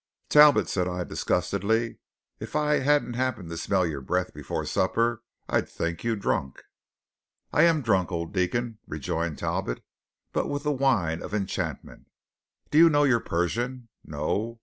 "Talbot," said I disgustedly, "if I hadn't happened to smell your breath before supper I'd think you drunk." "I am drunk, old deacon," rejoined Talbot, "but with the Wine of Enchantment do you know your Persian? No?